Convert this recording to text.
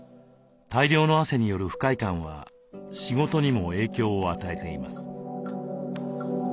大量の汗による不快感は仕事にも影響を与えています。